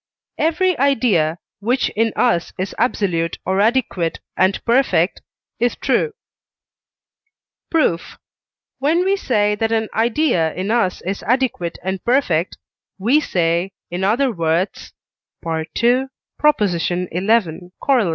Every idea, which in us is absolute or adequate and perfect, is true. Proof. When we say that an idea in us is adequate and perfect, we say, in other words (II. xi. Coroll.)